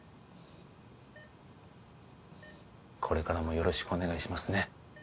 これからもよろしくお願いしますね